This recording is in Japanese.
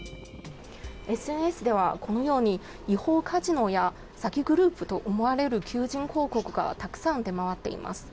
ＳＮＳではこのように、違法カジノや違法カジノや詐欺グループと思われる求人広告がたくさん出回っています。